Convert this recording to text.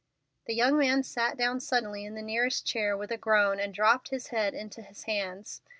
The young man sat down suddenly in the nearest chair with a groan, and dropped his head into his hands.